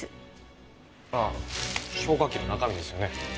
ああ消火器の中身ですよね。